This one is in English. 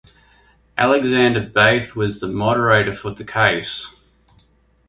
Alexander Beith was the moderator for the case.